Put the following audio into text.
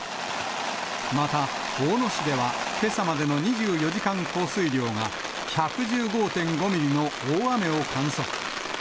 また大野市では、けさまでの２４時間降水量が１１５．５ミリの大雨を観測。